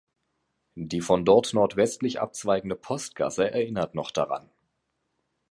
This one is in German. Die von dort nordwestlich abzweigende "Postgasse" erinnert noch daran.